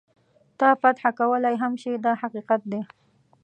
تا فتح کولای هم شي دا حقیقت دی.